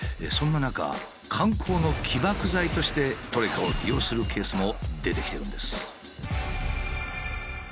そんな中観光の起爆剤としてトレカを利用するケースも出てきてるんです。